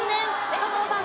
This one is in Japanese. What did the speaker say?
佐藤さん